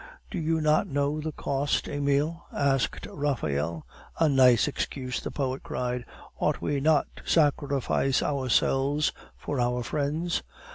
"Do you not know the cost, Emile?" asked Raphael. "A nice excuse!" the poet cried; "ought we not to sacrifice ourselves for our friends?"